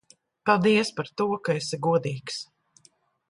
Paldies par to, ka esi godīgs.